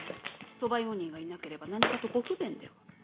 側用人がいなければ何かとご不便では。